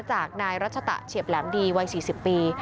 จากนายรัชตะเฉียบแหลมดีวัย๔๐ปี